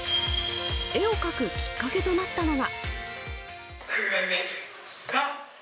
絵を描くきっかけとなったのが。